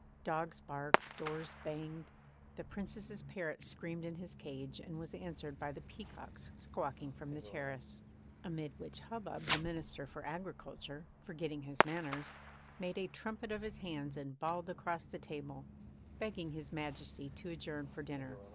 Dogs barked, doors banged; the Princess's parrot screamed in his cage and was answered by the peacocks squawking from the terrace; amid which hubbub the Minister for Agriculture, forgetting his manners, made a trumpet of his hands and bawled across the table, begging His Majesty to adjourn for dinner.